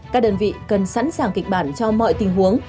các đơn vị cần sẵn sàng kịch bản cho mọi tình huống